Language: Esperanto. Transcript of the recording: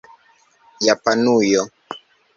Japanujo